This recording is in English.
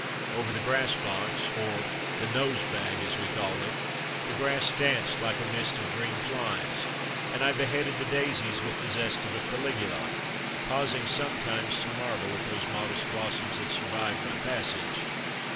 Over the grass box or the nose bag, as we called it the grass danced like a mist of green flies, and I beheaded the daisies with the zest of a Caligula, paus ing sometimes to marvel at those modest blossoms that survived my passage.